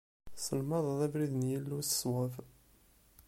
Tesselmadeḍ abrid n Yillu s ṣṣwab.